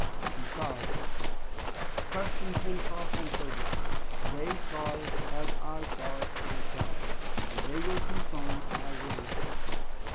Besides; question Pencroft and Herbert. They saw it as I saw it myself, and they will confirm my words."